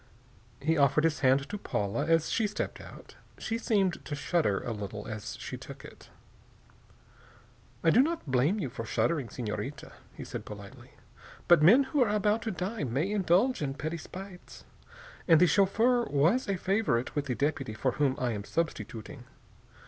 He offered his hand to Paula as she stepped out. She seemed to shudder a little as she took it. "I do not blame you for shuddering, Senorita," he said politely, "but men who are about to die may indulge in petty spites. And the chauffeur was a favorite with the deputy for whom I am substituting.